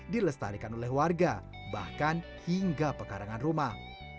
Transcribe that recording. dilestarikan oleh warga bahkan hingga pekarangan rumah